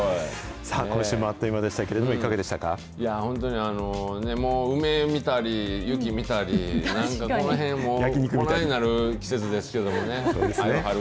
今週もあっという間でしたけもう梅見たり、雪見たり、なんかこのへん、こないなる季節ですけどね。